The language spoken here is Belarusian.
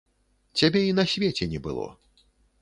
Цябе і на свеце не было.